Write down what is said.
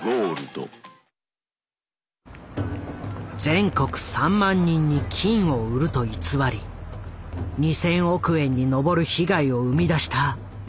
全国３万人に「金」を売ると偽り２，０００億円に上る被害を生み出した豊田商事。